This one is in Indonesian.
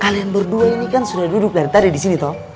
kalian berdua ini kan sudah duduk dari tadi di sini toh